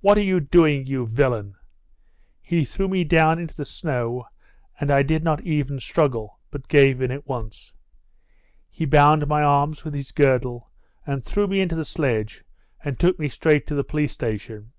'What are you doing, you villain?' He threw me down into the snow, and I did not even struggle, but gave in at once. He bound my arms with his girdle, and threw me into the sledge, and took me straight to the police station.